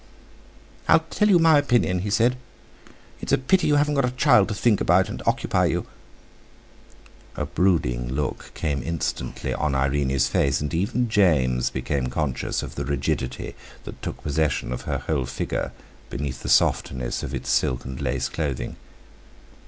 "I tell you my opinion," he said, "it's a pity you haven't got a child to think about, and occupy you!" A brooding look came instantly on Irene's face, and even James became conscious of the rigidity that took possession of her whole figure beneath the softness of its silk and lace clothing.